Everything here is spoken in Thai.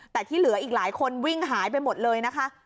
แต่ที่เหลืออีกหลายคนวิ่งหายไปหมดเลยนะคะ